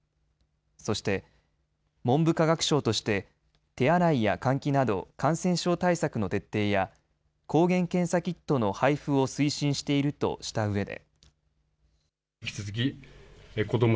そして文部科学省として手洗いや換気など、感染症対策の徹底や抗原検査キットの配布を推進しているとしたうえで。